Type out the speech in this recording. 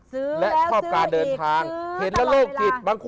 ซื้อแล้วซื้ออีก